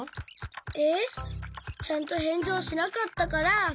えっ？ちゃんとへんじをしなかったから。